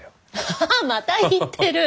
ハハまた言ってる。